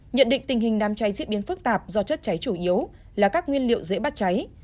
nhận định tình hình đám cháy diễn biến phức tạp do chất cháy chủ yếu là các nguyên liệu dễ bắt cháy